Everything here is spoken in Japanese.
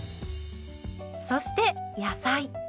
そして野菜。